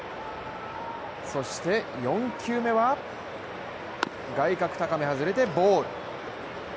そして４球目は外角高め外れてボール。